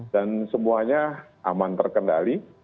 dan semuanya aman terkendali